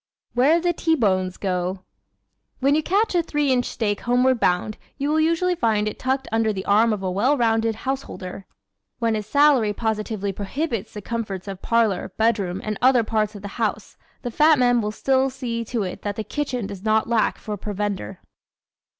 Where the T Bones Go ¶ When you catch a three inch steak homeward bound you will usually find it tucked under the arm of a well rounded householder. When his salary positively prohibits the comforts of parlor, bedroom and other parts of the house the fat man will still see to it that the kitchen does not lack for provender.